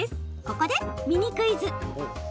ここで、ミニクイズ！